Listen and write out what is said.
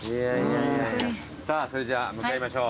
さぁそれじゃ向かいましょう。